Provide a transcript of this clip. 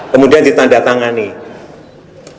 kemudian ditanda tangan nih